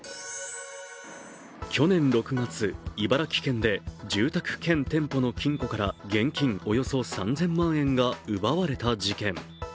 去年６月、茨城県で住宅兼店舗の金庫から現金およそ３０００万円が奪われた事件。